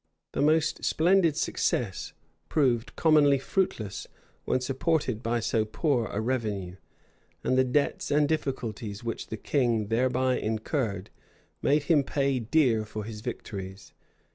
The most splendid successes proved commonly fruitless when supported by so poor a revenue; and the debts and difficulties which the king thereby incurred, made him pay dear for his victories.